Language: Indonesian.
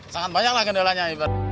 sangat banyak lah kendalanya